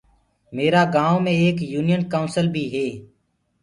ميرآ گائونٚ مي ايڪ يونين ڪائونسل بي هي۔